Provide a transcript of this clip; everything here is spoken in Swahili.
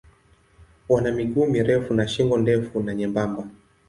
Wana miguu mirefu na shingo ndefu na nyembamba.